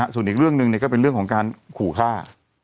ส่วนอีกเรื่องหนึ่งก็เป็นเรื่องของการขู่ฆ่า